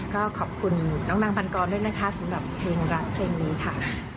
ก็ขอบคุณน้องนางปันกรด้วยนะคะสำหรับเพลงรักเพลงนี้ค่ะ